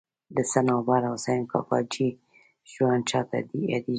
د صنوبر حسین کاکاجي ژوند چاته یادېږي.